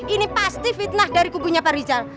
ini pasti fitnah dari kubunya pak rizal